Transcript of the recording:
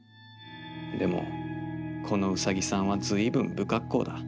でもこのうさぎさんは随分不格好だ。